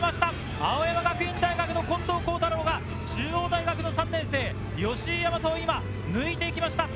青山学院大学の近藤幸太郎が中央大学の３年生・吉居大和を今抜いていきました。